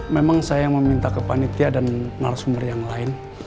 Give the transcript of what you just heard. memang saya yang meminta ke panitia dan narasumber yang lain